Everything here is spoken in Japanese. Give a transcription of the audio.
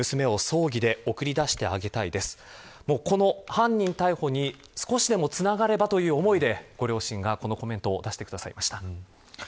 犯人逮捕に少しでもつながればという思いでご両親がこのコメントを出してくださいました。